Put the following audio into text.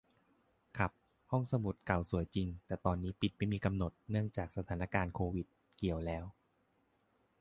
ครับ ห้องสมุดเก่าสวยจริง แต่ตอนนี้ปิดไม่มีกำหนด เนื่องจากสถานการณ์โควิด เกี่ยวแล้ว